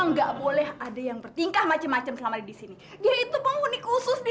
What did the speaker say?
enggak boleh ada yang bertingkah macam macam selama di sini dia itu penghuni khusus di